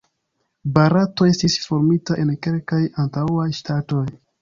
Barato estis formita el kelkaj antaŭaj ŝtatoj.